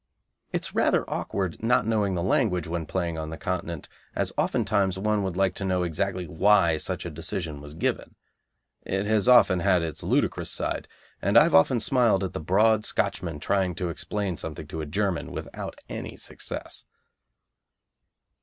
It is rather awkward not knowing the language when playing on the Continent, as often times one would like to know exactly why such a decision was given. It has often had its ludicrous side, and I have often smiled at the broad Scotchman trying to explain something to a German without any success.